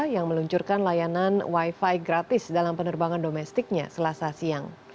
yang meluncurkan layanan wifi gratis dalam penerbangan domestiknya selasa siang